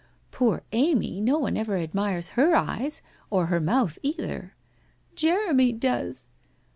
Poor Amy, no one ever admires her eyes — or her mouth either/ 1 Jeremy does.'